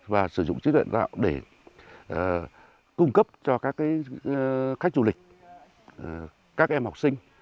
và sử dụng trí tuệ nhân tạo để cung cấp cho các cái khách du lịch các em học sinh